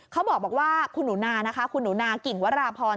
เขาบอกว่าคุณหนูนากิ่งวัตราพร